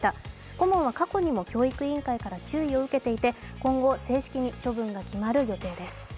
顧問は過去にも教育委員会から注意を受けていて今後、正式に処分が決まる予定です